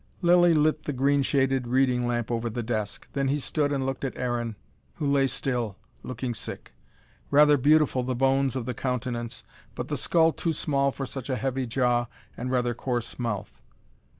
Lilly lit the green shaded reading lamp over the desk. Then he stood and looked at Aaron, who lay still, looking sick. Rather beautiful the bones of the countenance: but the skull too small for such a heavy jaw and rather coarse mouth.